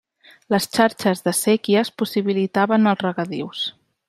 Les xarxes de séquies possibilitaven els regadius.